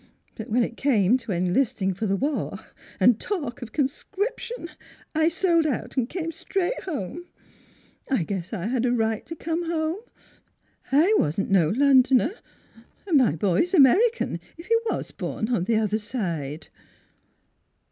But when it came to enlisting for the war and talk of conscription, I sold out and came straight home. ... I guess I had a right to come home. I wasn't no Lon doner. And my boy's American, if he was born on the other side."